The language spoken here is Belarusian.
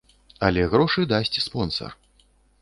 Але грошы дасць спонсар.